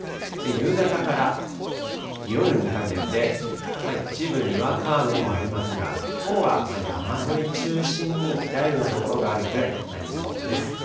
夕方から夜にかけて、一部にわか雨もありますが、きょうは山沿い中心に雷雨の所があるくらいとなりそうです。